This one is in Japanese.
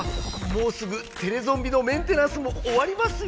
もうすぐテレゾンビのメンテナンスもおわりますよ。